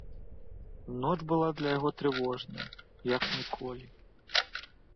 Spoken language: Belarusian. Ноч была для яго трывожная, як ніколі.